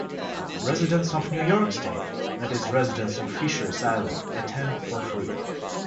Residents of New York State (that is residents of Fishers Island) attend for free.